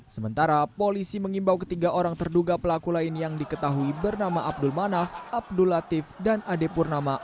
sementara polisi mengimbau ketiga orang terduga pelaku lain yang diketahui bernama abdul manaf abdul latif dan ade purnama